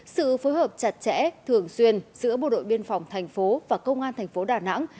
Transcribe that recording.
sự phối hợp chặt chẽ thường xuyên giữa bộ đội biên phòng thành phố và công an thành phố đà nẵng